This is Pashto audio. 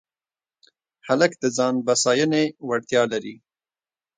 هلک د ځان بساینې وړتیا لري.